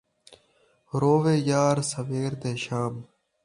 رووے یار سویر تے شام